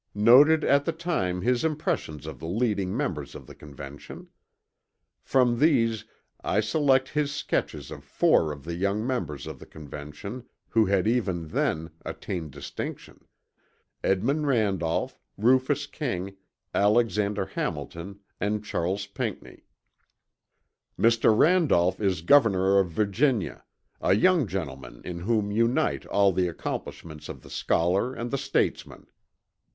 230) noted at the time his impressions of the leading members of the Convention. From these I select his sketches of four of the young members of the Convention who had even then attained distinction, Edmund Randolph, Rufus King, Alexander Hamilton and Charles Pinckney: "Mr. Randolph is Governor of Virginia a young gentleman in whom unite all the accomplishments of the Scholar and the Statesman.